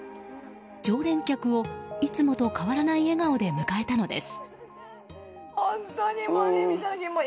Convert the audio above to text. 常連客をいつもと変わらない笑顔で迎えたのです。